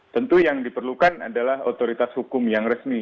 tentu yang diperlukan adalah otoritas hukum yang resmi